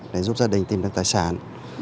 để giúp gia đình tìm được tài sản